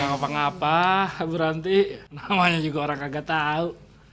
gak apa apa berhenti namanya juga orang kagak tau